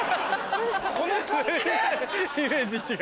この感じで⁉イメージ違う。